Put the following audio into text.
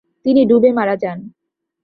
তিনি ডুবে মারা যান।